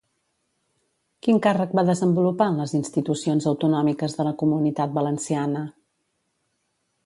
Quin càrrec va desenvolupar en les institucions autonòmiques de la Comunitat Valenciana?